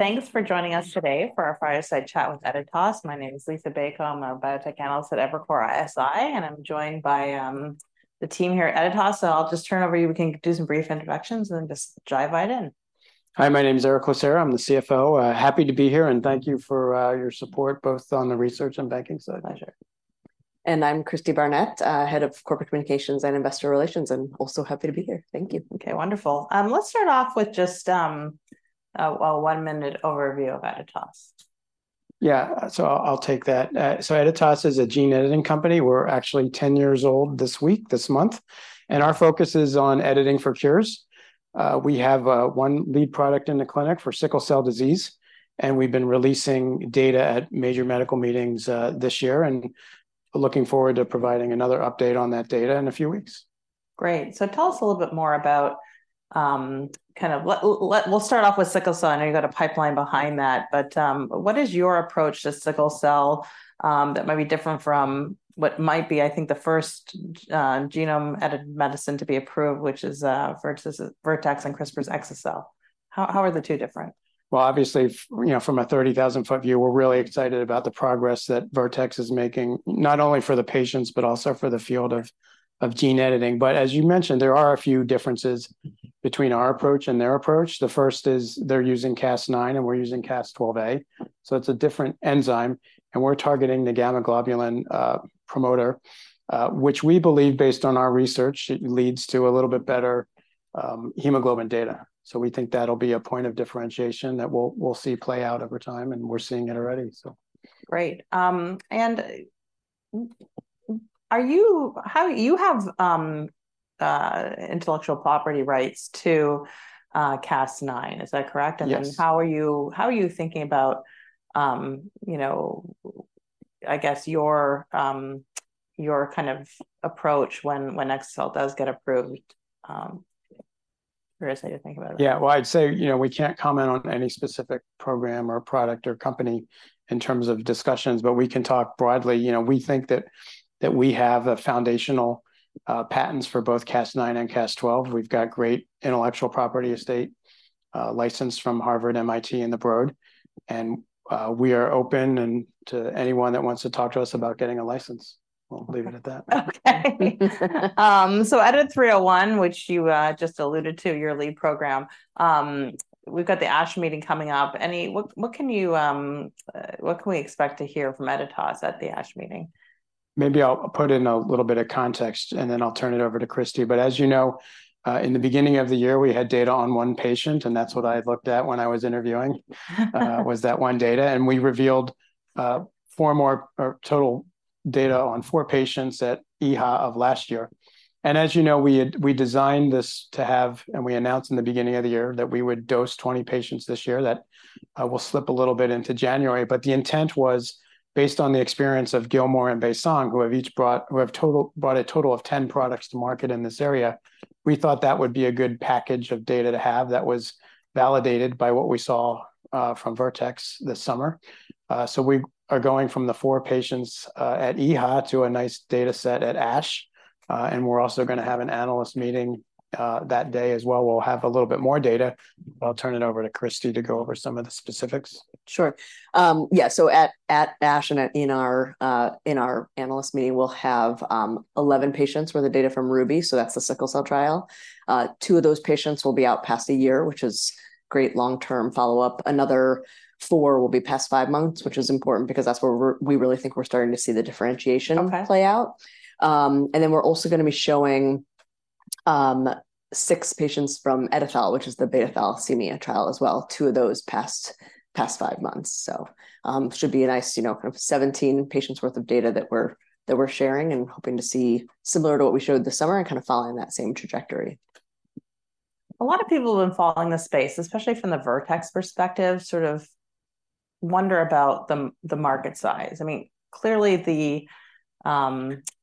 Thanks for joining us today for our Fireside Chat with Editas. My name is Liisa Bayko. I'm a biotech analyst at Evercore ISI, and I'm joined by, the team here at Editas. So I'll just turn it over to you. We can do some brief introductions and then just dive right in. Hi, my name is Erick Lucera. I'm the CFO. Happy to be here, and thank you for your support, both on the research and banking side. Pleasure. I'm Cristi Barnett, Head of Corporate Communications and Investor Relations, and also happy to be here. Thank you. Okay, wonderful. Let's start off with just a one-minute overview of Editas. Yeah, so I'll take that. Editas is a gene-editing company. We're actually 10 years old this week, this month, and our focus is on editing for cures. We have one lead product in the clinic for sickle cell disease, and we've been releasing data at major medical meetings this year, and looking forward to providing another update on that data in a few weeks. Great. So tell us a little bit more about, kind of... We'll start off with sickle cell. I know you've got a pipeline behind that, but, what is your approach to sickle cell, that might be different from what might be, I think, the first, genome-edited medicine to be approved, which is, Vertex's, Vertex and CRISPR's exa-cel. How, how are the two different? Well, obviously, you know, from a 30,000-foot view, we're really excited about the progress that Vertex is making, not only for the patients, but also for the field of gene editing. But as you mentioned, there are a few differences between our approach and their approach. The first is they're using Cas9, and we're using Cas12a, so it's a different enzyme, and we're targeting the gamma-globin promoter, which we believe, based on our research, leads to a little bit better hemoglobin data. So we think that'll be a point of differentiation that we'll see play out over time, and we're seeing it already, so. Great. You have intellectual property rights to Cas9. Is that correct? Yes. And then how are you thinking about, you know, I guess your kind of approach when exa-cel does get approved, curiously to think about it? Yeah, well, I'd say, you know, we can't comment on any specific program or product or company in terms of discussions, but we can talk broadly. You know, we think that we have the foundational patents for both Cas9 and Cas12. We've got great intellectual property estate licensed from Harvard, MIT, and Broad, and we are open and to anyone that wants to talk to us about getting a license. We'll leave it at that. Okay. So EDIT-301, which you just alluded to, your lead program, we've got the ASH meeting coming up. What can we expect to hear from Editas at the ASH meeting? Maybe I'll put it in a little bit of context, and then I'll turn it over to Cristi. But as you know, in the beginning of the year, we had data on one patient, and that's what I looked at when I was interviewing—was that one data—and we revealed four more, or total data on four patients at EHA of last year. And as you know, we had—we designed this to have, and we announced in the beginning of the year, that we would dose 20 patients this year, that will slip a little bit into January. But the intent was based on the experience of Gilmore and Baisong, who have each brought—who have total—brought a total of 10 products to market in this area. We thought that would be a good package of data to have that was validated by what we saw from Vertex this summer. So we are going from the 4 patients at EHA to a nice data set at ASH, and we're also gonna have an analyst meeting that day as well. We'll have a little bit more data. I'll turn it over to Cristi to go over some of the specifics. Sure. Yeah, so at ASH and in our analyst meeting, we'll have 11 patients worth of data from Ruby, so that's the sickle cell trial. Two of those patients will be out past a year, which is great long-term follow-up. Another four will be past five months, which is important because that's where we really think we're starting to see the differentiation- Okay... play out. And then we're also gonna be showing 6 patients from EdiTHAL, which is the beta thalassemia trial as well, 2 of those past 5 months. So, should be a nice, you know, kind of 17 patients worth of data that we're, that we're sharing and hoping to see similar to what we showed this summer and kind of following that same trajectory. A lot of people have been following this space, especially from the Vertex perspective, sort of wonder about the market size. I mean, clearly,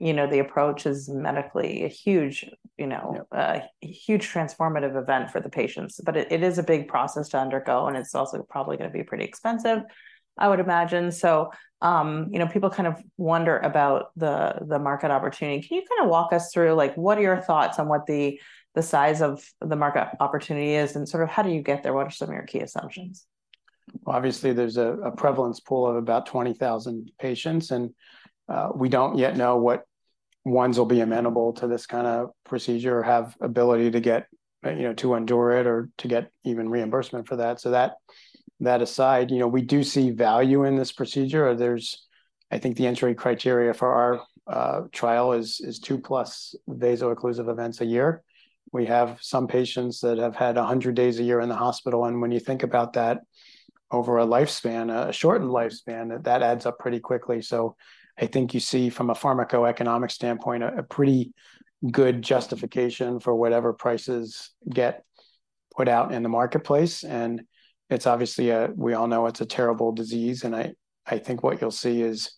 you know, the approach is medically a huge, you know- Yeah... a huge transformative event for the patients. But it is a big process to undergo, and it's also probably gonna be pretty expensive, I would imagine. So, you know, people kind of wonder about the market opportunity. Can you kind of walk us through, like, what are your thoughts on what the size of the market opportunity is, and sort of how do you get there? What are some of your key assumptions? Well, obviously, there's a prevalence pool of about 20,000 patients, and we don't yet know what ones will be amenable to this kind of procedure or have ability to get, you know, to endure it or to get even reimbursement for that. So that aside, you know, we do see value in this procedure. There's. I think the entry criteria for our trial is 2+ vaso-occlusive events a year. We have some patients that have had 100 days a year in the hospital, and when you think about that over a lifespan, a shortened lifespan, that adds up pretty quickly. So I think you see, from a pharmacoeconomic standpoint, a pretty good justification for whatever prices get put out in the marketplace, and it's obviously a. We all know it's a terrible disease, and I think what you'll see is,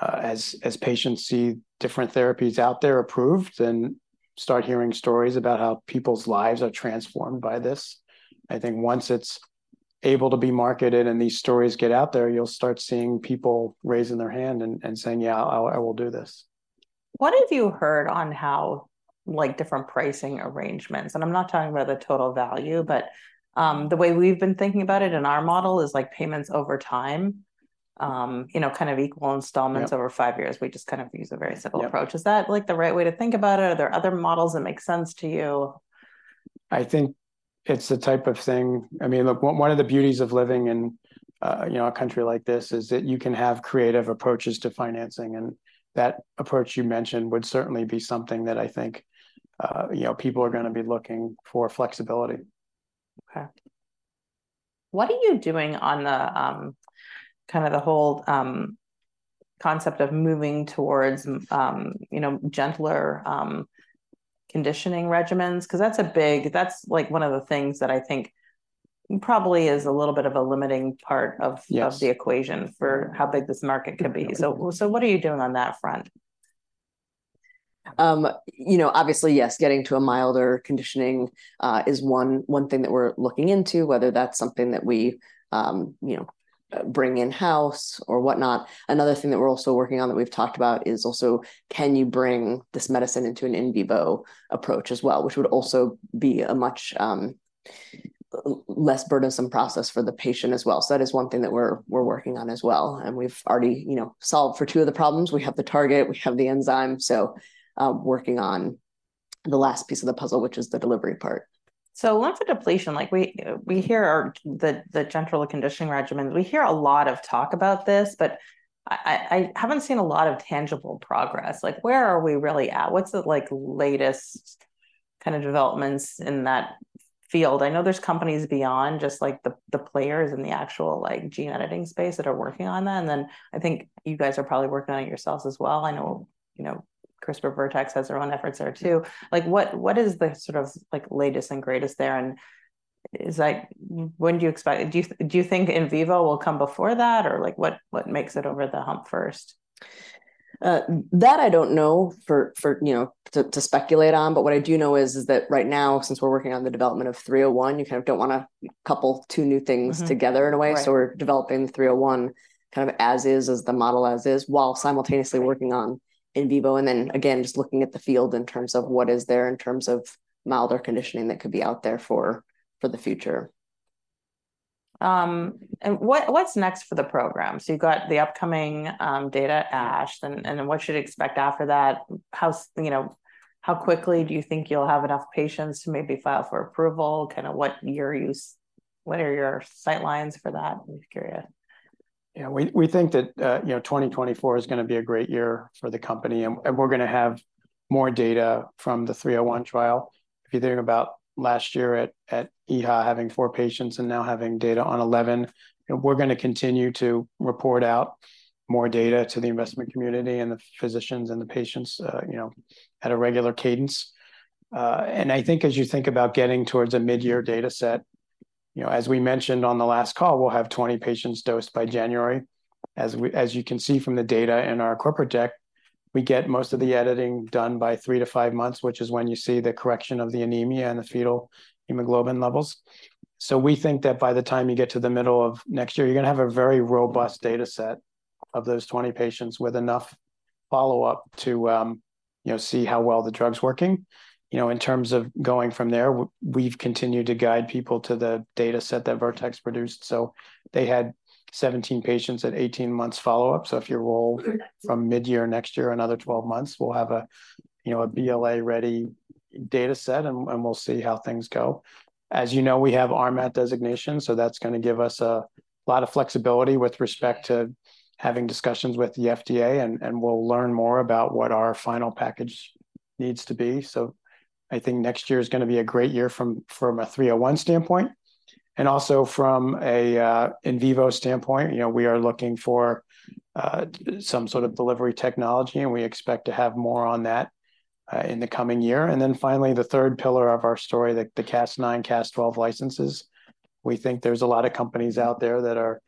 as patients see different therapies out there approved and start hearing stories about how people's lives are transformed by this, I think once it's able to be marketed and these stories get out there, you'll start seeing people raising their hand and saying, "Yeah, I will do this.... What have you heard on how, like, different pricing arrangements, and I'm not talking about the total value, but, the way we've been thinking about it in our model is, like, payments over time, you know, kind of equal installments- Yeah over five years. We just kind of use a very simple approach. Yeah. Is that, like, the right way to think about it, or are there other models that make sense to you? I think it's the type of thing... I mean, look, one, one of the beauties of living in, you know, a country like this is that you can have creative approaches to financing, and that approach you mentioned would certainly be something that I think, you know, people are gonna be looking for flexibility. Okay. What are you doing on the, kind of the whole, concept of moving towards, you know, gentler, conditioning regimens? 'Cause that's, like, one of the things that I think probably is a little bit of a limiting part of- Yes of the equation for how big this market could be. Yeah. So, what are you doing on that front? You know, obviously, yes, getting to a milder conditioning is one thing that we're looking into, whether that's something that we, you know, bring in-house or whatnot. Another thing that we're also working on that we've talked about is also, can you bring this medicine into an in vivo approach as well? Which would also be a much less burdensome process for the patient as well. So that is one thing that we're working on as well, and we've already, you know, solved for two of the problems. We have the target, we have the enzyme, so working on the last piece of the puzzle, which is the delivery part. So once a depletion, like we hear about the gentler conditioning regimen, we hear a lot of talk about this, but I haven't seen a lot of tangible progress. Like, where are we really at? What's the, like, latest kind of developments in that field? I know there's companies beyond just, like, the players in the actual, like, gene-editing space that are working on that, and then I think you guys are probably working on it yourselves as well. I know, you know, CRISPR Vertex has their own efforts there, too. Like, what is the sort of, like, latest and greatest there, and is, like, when do you expect—do you think in vivo will come before that, or like, what makes it over the hump first? That I don't know for, you know, to speculate on, but what I do know is that right now, since we're working on the development of 301, you kind of don't wanna couple two new things together- Mm-hmm, right... in a way. So we're developing the 301 kind of as is, as the model as is, while simultaneously working- Right on in vivo, and then again, just looking at the field in terms of what is there in terms of milder conditioning that could be out there for the future. And what's next for the program? So you've got the upcoming data, ASH, and what should we expect after that? You know, how quickly do you think you'll have enough patients to maybe file for approval? Kinda what are your use—what are your sight lines for that? I'm curious. Yeah, we think that, you know, 2024 is gonna be a great year for the company, and we're gonna have more data from the 301 trial. If you think about last year at EHA, having 4 patients and now having data on 11, we're gonna continue to report out more data to the investment community and the physicians and the patients, you know, at a regular cadence. And I think as you think about getting towards a mid-year data set, you know, as we mentioned on the last call, we'll have 20 patients dosed by January. As you can see from the data in our corporate deck, we get most of the editing done by 3-5 months, which is when you see the correction of the anemia and the fetal hemoglobin levels. So we think that by the time you get to the middle of next year, you're gonna have a very robust data set of those 20 patients, with enough follow-up to, you know, see how well the drug's working. You know, in terms of going from there, we've continued to guide people to the data set that Vertex produced. So they had 17 patients at 18 months follow-up, so if you roll- Mm-hmm... from mid-year next year, another 12 months, we'll have a, you know, a BLA-ready data set, and, and we'll see how things go. As you know, we have RMAT designation, so that's gonna give us a lot of flexibility with respect to having discussions with the FDA, and, and we'll learn more about what our final package needs to be. So I think next year is gonna be a great year from, from a EDIT-301 standpoint, and also from a in vivo standpoint. You know, we are looking for some sort of delivery technology, and we expect to have more on that in the coming year. And then finally, the third pillar of our story, the Cas9, Cas12 licenses, we think there's a lot of companies out there that are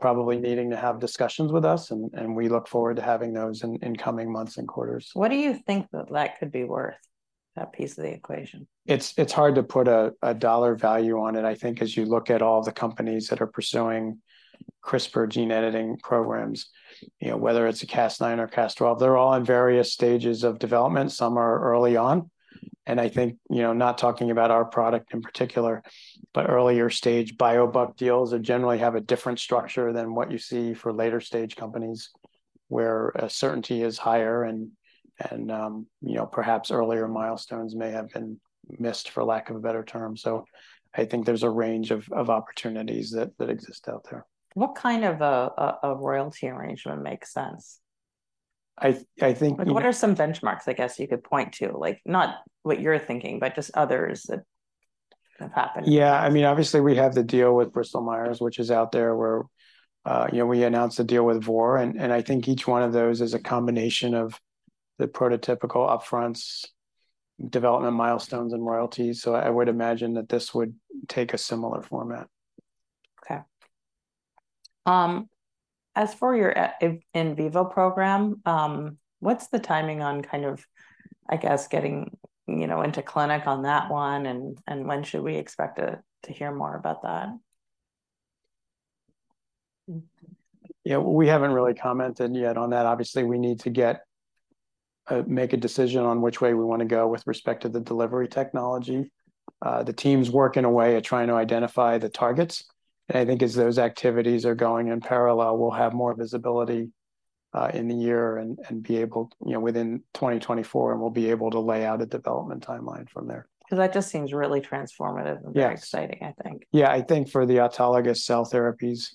probably needing to have discussions with us, and we look forward to having those in coming months and quarters. What do you think that that could be worth, that piece of the equation? It's hard to put a dollar value on it. I think as you look at all the companies that are pursuing CRISPR gene-editing programs, you know, whether it's a Cas9 or Cas12, they're all in various stages of development. Some are early on, and I think, you know, not talking about our product in particular, but earlier-stage biobuck deals generally have a different structure than what you see for later-stage companies, where certainty is higher and, you know, perhaps earlier milestones may have been missed, for lack of a better term. So I think there's a range of opportunities that exist out there. What kind of a royalty arrangement makes sense? I think- Like, what are some benchmarks, I guess, you could point to? Like, not what you're thinking, but just others that have happened. Yeah, I mean, obviously, we have the deal with Bristol Myers Squibb, which is out there, where you know, we announced the deal with Vor, and I think each one of those is a combination of the prototypical upfronts, development milestones, and royalties. So I would imagine that this would take a similar format. Okay. As for your in vivo program, what's the timing on kind of, I guess, getting, you know, into clinic on that one, and when should we expect to hear more about that?... Yeah, we haven't really commented yet on that. Obviously, we need to get make a decision on which way we want to go with respect to the delivery technology. The team's working away at trying to identify the targets, and I think as those activities are going in parallel, we'll have more visibility in the year and be able, you know, within 2024, and we'll be able to lay out a development timeline from there. 'Cause that just seems really transformative- Yeah And very exciting, I think. Yeah, I think for the autologous cell therapies,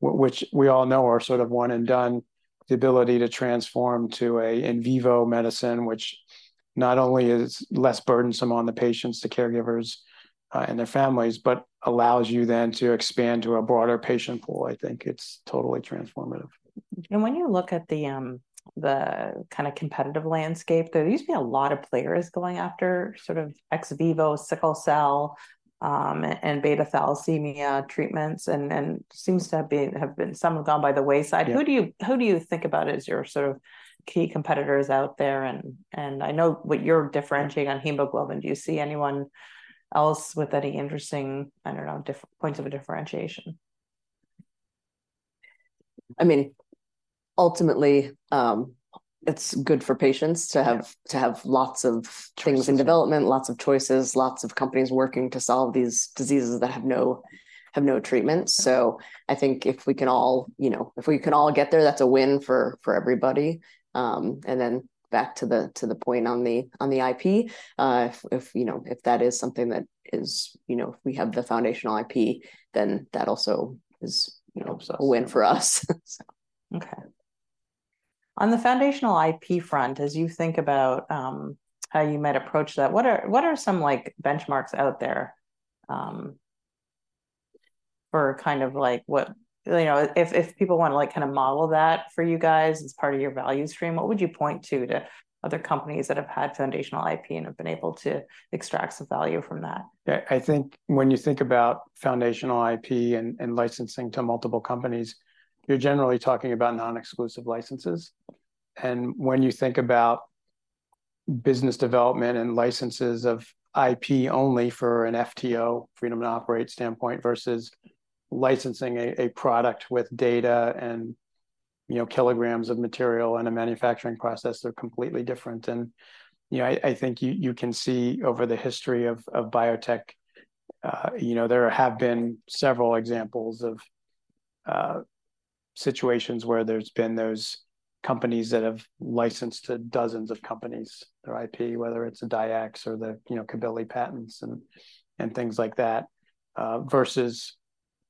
which we all know are sort of one and done, the ability to transform to a in vivo medicine, which not only is less burdensome on the patients, the caregivers, and their families, but allows you then to expand to a broader patient pool. I think it's totally transformative. When you look at the kind of competitive landscape, there seems to be a lot of players going after sort of ex vivo sickle cell and beta thalassemia treatments, and seems to have been some have gone by the wayside. Yeah. Who do you think about as your sort of key competitors out there? And I know what you're differentiating on hemoglobin. Do you see anyone else with any interesting, I don't know, points of differentiation? I mean, ultimately, it's good for patients to have… Yeah... to have lots of choices- Things in development, lots of choices, lots of companies working to solve these diseases that have no treatment. So I think if we can all, you know, get there, that's a win for everybody. And then back to the point on the IP, if you know, if that is something, you know, if we have the foundational IP, then that also is, you know- Awesome... a win for us. So. Okay. On the foundational IP front, as you think about how you might approach that, what are some, like, benchmarks out there, for kind of like what... You know, if people want to, like, kind of model that for you guys as part of your value stream, what would you point to other companies that have had foundational IP and have been able to extract some value from that? Yeah, I think when you think about foundational IP and licensing to multiple companies, you're generally talking about non-exclusive licenses. And when you think about business development and licenses of IP only for an FTO, freedom to operate standpoint, versus licensing a product with data and, you know, kilograms of material and a manufacturing process, they're completely different. And, you know, I think you can see over the history of biotech, you know, there have been several examples of situations where there's been those companies that have licensed to dozens of companies their IP, whether it's Dyax or the, you know, Cabilly patents and things like that, versus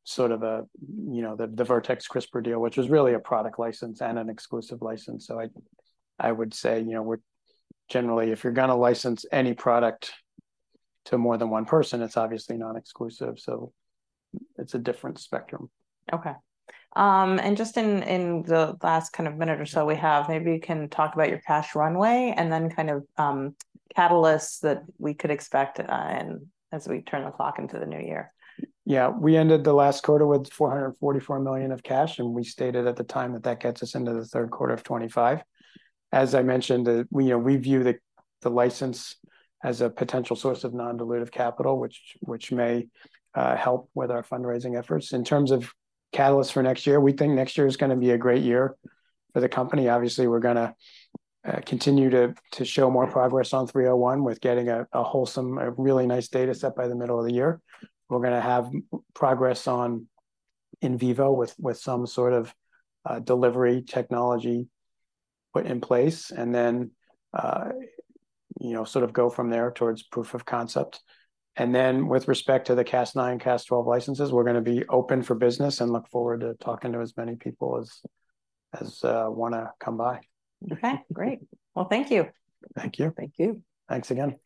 sort of a, you know, the Vertex CRISPR deal, which was really a product license and an exclusive license. So I would say, you know, we're generally, if you're going to license any product to more than one person, it's obviously non-exclusive, so it's a different spectrum. Okay. Just in the last kind of minute or so we have, maybe you can talk about your cash runway and then kind of catalysts that we could expect, in as we turn the clock into the new year. Yeah. We ended the last quarter with $444 million of cash, and we stated at the time that that gets us into the third quarter of 2025. As I mentioned, you know, we view the license as a potential source of non-dilutive capital, which may help with our fundraising efforts. In terms of catalysts for next year, we think next year is going to be a great year for the company. Obviously, we're going to continue to show more progress on EDIT-301, with getting a wholesome really nice data set by the middle of the year. We're going to have progress on in vivo with some sort of delivery technology put in place, and then, you know, sort of go from there towards proof of concept. Then with respect to the Cas9, Cas12 licenses, we're going to be open for business and look forward to talking to as many people as want to come by. Okay, great. Well, thank you. Thank you. Thank you. Thanks again.